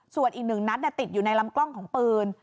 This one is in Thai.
ส่วนอีกหนึ่งนัดติดอยู่ในลำกล้องของปืน